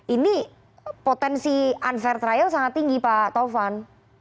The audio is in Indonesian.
ini potensi unfair trial sangat tinggi pak taufan